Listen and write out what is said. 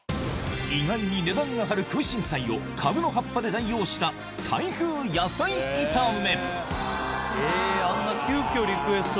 意外に値段が張る空心菜をカブの葉っぱで代用したタイ風野菜炒めえ。